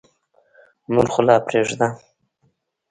نور خو لا پرېږده.